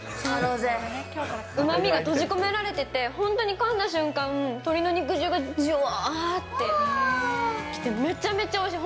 うまみが閉じ込められてて、本当にかんだ瞬間、鶏の肉汁がじゅわーってきて、めちゃめちゃおいしい。